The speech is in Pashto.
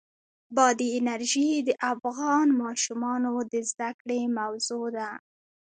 بادي انرژي د افغان ماشومانو د زده کړې موضوع ده.